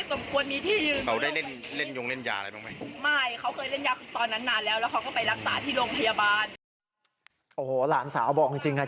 โอ้โหหลานสาวบอกจริงอ่ะ